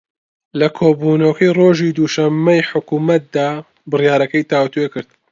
لە کۆبوونەوەکەی ڕۆژی دووشەممەی حکوومەتدا بڕیارەکەی تاووتوێ کرد